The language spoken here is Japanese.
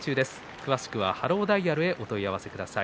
詳しくはハローダイヤルへお問い合わせください。